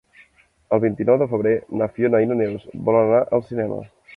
El vint-i-nou de febrer na Fiona i na Neus volen anar al cinema.